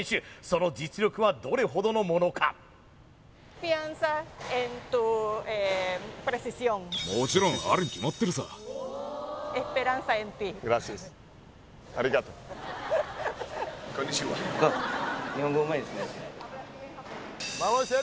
その実力はどれほどのものかグラシアス